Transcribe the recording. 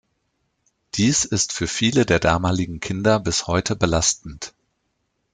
Dies ist für viele der damaligen Kinder bis heute belastend.